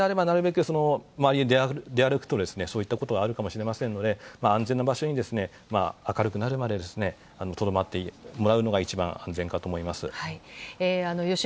なるべく、周りに出歩くとそういったことがあるかもしれませんので安全な場所に明るくなるまでとどまってもらうのが一番安全かと思います。